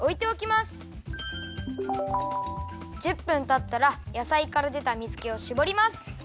１０分たったらやさいからでた水けをしぼります。